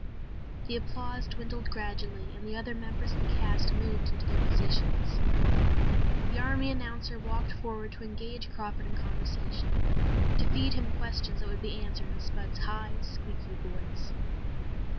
The applause dwindled gradually and the other members of the cast moved into their positions. The army announcer walked forward to engage Crawford in conversation to feed him questions that would be answered in Spud's high, squeaky voice.